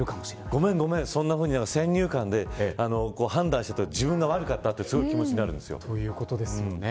ごめん、ごめん、そんなふうに先入観で判断していた自分が悪かったという気持ちになるんですよ。ということですよね。